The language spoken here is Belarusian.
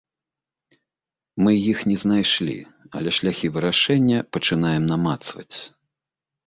Мы іх не знайшлі, але шляхі вырашэння пачынаем намацваць.